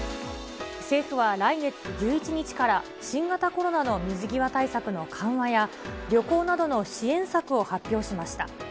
政府は来月１１日から、新型コロナの水際対策の緩和や、旅行などの支援策を発表しました。